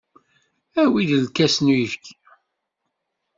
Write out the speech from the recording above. Awi-d lkas n uyefki.